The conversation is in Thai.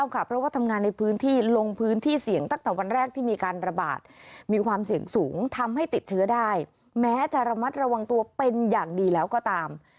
เพราะว่าทำงานในพื้นที่ลงพื้นที่เสี่ยงตั้งแต่วันแรกที่มีการระบาดมีความเสี่ยงสูงทำให้ติดเชื้อได้แม้จะระมัดระวังตัวเป็นอย่างดีแล้วก็ตาม